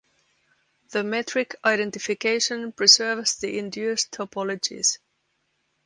The metric identification preserves the induced topologies.